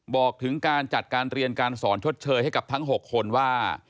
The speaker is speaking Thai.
บอกถึงการจัดการเรียนการสอนชดเชยให้กับทั้ง๖คนว่า